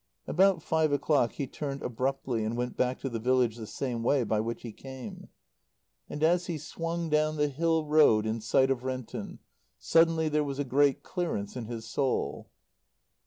About five o'clock he turned abruptly and went back to the village the same way by which he came. And as he swung down the hill road in sight of Renton, suddenly there was a great clearance in his soul.